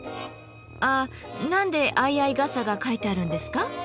あ何で相合い傘が描いてあるんですか？